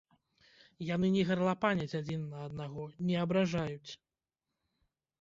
Яны не гарлапаняць адзін на аднаго, не абражаюць!